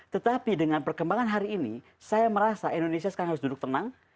tetapi dengan perkembangan hari ini saya merasa indonesia sekarang harus duduk tenang